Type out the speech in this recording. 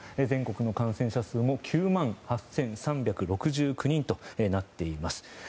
全国の感染者数も９万８３６９人となっています。